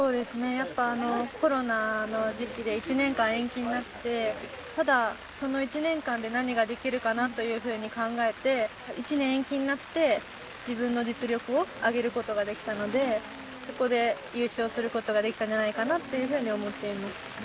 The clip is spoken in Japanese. やっぱ、コロナの時期で１年間延期になって、ただ、その１年間で何ができるかなと考えて、１年延期になって、自分の実力を上げることができたので、そこで優勝することができたんじゃないかなというふうに思っています。